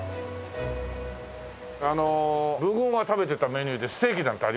あの文豪が食べてたメニューでステーキなんてありませんか？